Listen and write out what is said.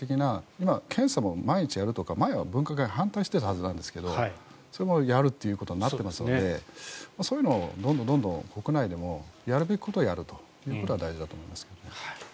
今、検査も毎日やるとか前は分科会は反対していたはずなんですけどやるということになっているのでそういうのをどんどん国内でもやるべきことはやるということは大事だと思いますけども。